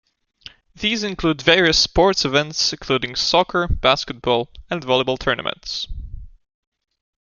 These include various sports events including soccer, basketball, and volleyball tournaments.